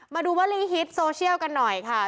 มาดูวลีฮิตโซเชียลกันหน่อยค่ะ